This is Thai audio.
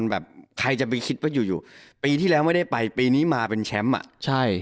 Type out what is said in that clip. แบบใครจะไปคิดว่าอยู่อยู่ปีที่แล้วไม่ได้ไปปีนี้มาเป็นแชมป์อ่ะใช่